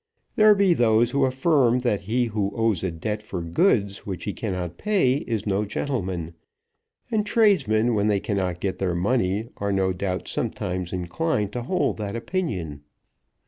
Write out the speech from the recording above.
There be those who affirm that he who owes a debt for goods which he cannot pay is no gentleman, and tradesmen when they cannot get their money are no doubt sometimes inclined to hold that opinion.